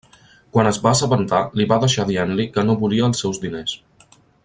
Quan es va assabentar li va deixar dient-li que no volia els seus diners.